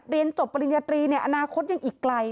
เรียนจบปริญญาตรีเนี่ยอนาคตยังอีกไกล